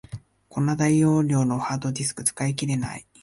こんな大容量のハードディスク、使い切れない